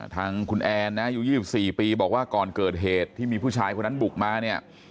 ทางคุณแอนนะอายุ๒๔ปีบอกว่าก่อนเกิดเหตุที่มีผู้ชายคนนั้นบุกมาเนี่ย